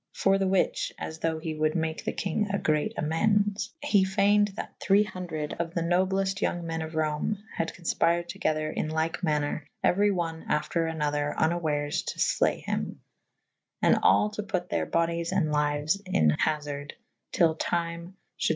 For the which (as though he wolde make the kynge a'great amendes) he fayned that .iii. C. of the nobleft yonge me« of Rome had confpyred togytherin lyke maner euery one after another vnwares to flee hym / and all to put theyr bodyes and lyues in hafarde tyll tyme fhulde ' B.